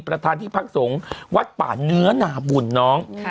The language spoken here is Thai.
ประธานที่พักสงฆ์วัดป่าเนื้อนาบุญน้อง